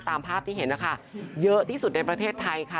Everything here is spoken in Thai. ตามภาพที่เห็นนะคะเยอะที่สุดในประเทศไทยค่ะ